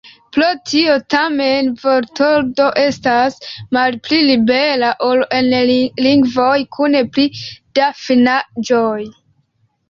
Pro tio, tamen, vortordo estas malpli libera, ol en lingvoj kun pli da finaĵoj.